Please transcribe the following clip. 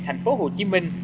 thành phố hồ chí minh